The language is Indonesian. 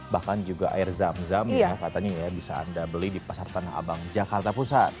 bahkan juga air zam zam yang katanya ya bisa anda beli di pasar tanah abang jakarta pusat